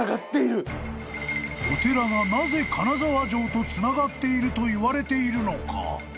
［お寺がなぜ金沢城とつながっているといわれているのか］